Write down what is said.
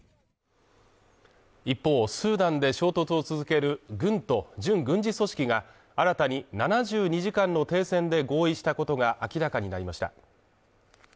一方、スーダンで衝突を続ける軍と準軍事組織が新たに７２時間の停戦で合意したことが明らかになりました。